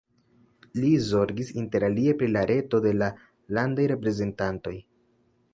Li zorgis interalie pri la reto de la Landaj Reprezentantoj.